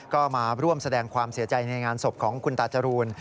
ก็มาร่วมแสดงความเสียใจในงานศพของคุณตาจรูน